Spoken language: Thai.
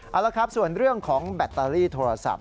เอาละครับส่วนเรื่องของแบตเตอรี่โทรศัพท์